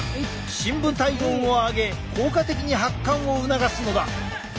深部体温を上げ効果的に発汗を促すのだ。